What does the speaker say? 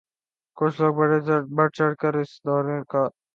کچھ لوگ بڑھ چڑھ کر اس دورے کا خیر مقدم کر رہے ہیں۔